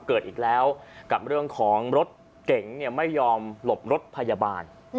เกิดอีกแล้วกับเรื่องของรถเก๋งไม่ยอมหลบรถพยาบาล